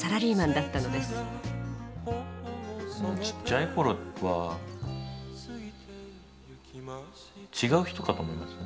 ちっちゃい頃は違う人かと思いますよね。